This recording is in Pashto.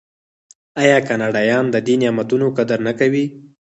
آیا کاناډایان د دې نعمتونو قدر نه کوي؟